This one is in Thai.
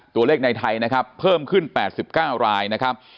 ในไทยนะครับเพิ่มขึ้น๘๙รายนะครับ